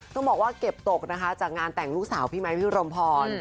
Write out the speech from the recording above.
ต้องบอกว่าเก็บตกนะคะจากงานแต่งลูกสาวพี่ไมค์พี่รมพร